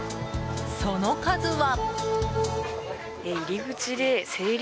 その数は。